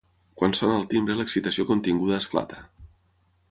Quan sona el timbre l'excitació continguda esclata.